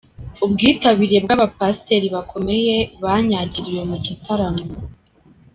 Ubwitabire bw’abapasiteri bakomeye banyagiriwe mu gitaramo